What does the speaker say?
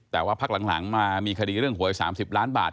แต่ว่าพักหลังมามีคดีเรื่องหวย๓๐ล้านบาท